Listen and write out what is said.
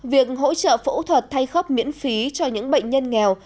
việc hỗ trợ phẫu thuật thay khớp miễn phí cho những bệnh nhân nghèo